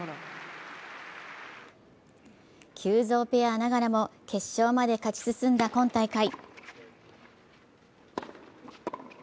急造ペアながらも決勝まで勝ち進んだ今大会。